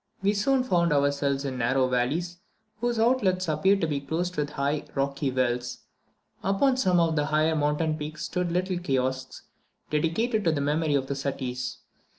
We soon found ourselves in narrow valleys, whose outlets appeared to be closed with high, rocky wells. Upon some of the higher mountain peaks stood little kiosks, dedicated to the memory of the Suttis.